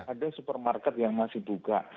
ada supermarket yang masih buka